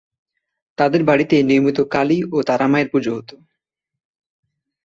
তাদের বাড়িতে নিয়মিত কালী ও তারা মায়ের পুজো হতো।